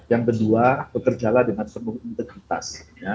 yang kedua bekerjalah dengan semua integritas